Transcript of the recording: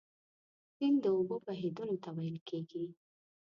سیند د اوبو بهیدلو ته ویل کیږي.